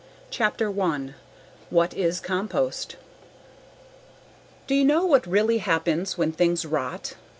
CHAPTER ONE What Is Compost Do you know what really happens when things rot?